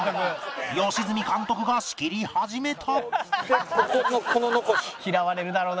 良純監督が仕切り始めた